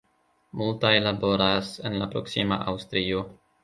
Multaj laboras en la proksima Aŭstrio.